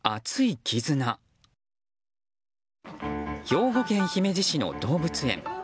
兵庫県姫路市の動物園。